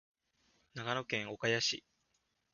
長野県岡谷市